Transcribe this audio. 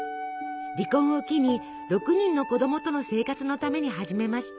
離婚を機に６人の子供との生活のために始めました。